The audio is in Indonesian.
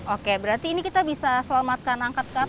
oke berarti ini kita bisa selamatkan angkat ke atas pak